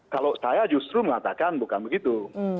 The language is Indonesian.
kalau saya justru mengatakan bukan begitu